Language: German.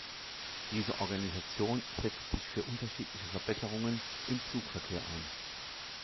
Diese Organisation setzt sich für unterschiedliche Verbesserungen im Zugverkehr ein.